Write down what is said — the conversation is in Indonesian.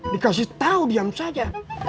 dikasih tahu diam saja